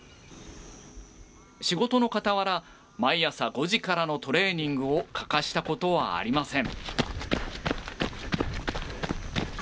仕事のかたわら毎朝５時からのトレーニングを欠かしたことはありません。